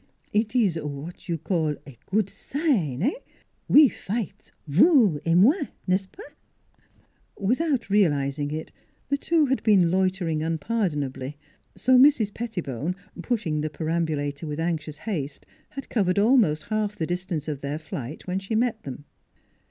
Eet ees what you call good sign eh? We fight vous et moi, n'est ce pas?" Without realizing it the two had been loitering unpardonably, so Mrs. Pettibone pushing the per ambulator with anxious haste had covered almost half the distance of their flight when she met them.